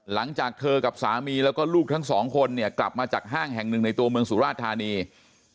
หลังจากเธอกับสามีแล้วก็ลูกทั้งสองคนเนี่ยกลับมาจากห้างแห่งหนึ่งในตัวเมืองสุราชธานี